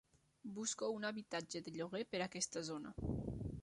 Busco un habitatge de lloguer per aquesta zona.